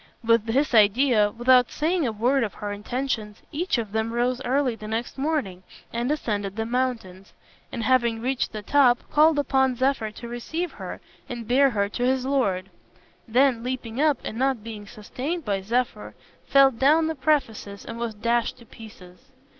With this idea, without saying a word of her intentions, each of them rose early the next morning and ascended the mountains, and having reached the top, called upon Zephyr to receive her and bear her to his lord; then leaping up, and not being sustained by Zephyr, fell down the precipice and was dashed to pieces.